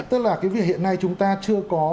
tức là hiện nay chúng ta chưa có